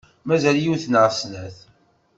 Mazal yiwet neɣ snat.